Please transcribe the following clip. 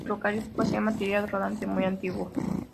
El ferrocarril poseía material rodante muy antiguo.